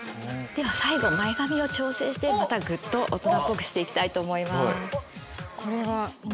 最後前髪を調整してぐっと大人っぽくしていきたいと思います。